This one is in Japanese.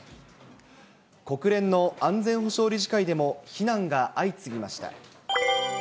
国連の安全保障理事会でも非難が相次ぎました。